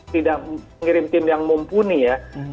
tidak mengirim tim yang mumpuni ya